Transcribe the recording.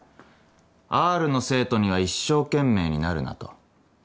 Ｒの生徒には一生懸命になるなと。